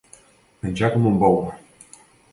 Menjar com un bou.